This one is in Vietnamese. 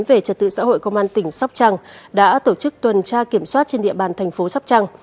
về trật tự xã hội công an tỉnh sóc trăng đã tổ chức tuần tra kiểm soát trên địa bàn thành phố sóc trăng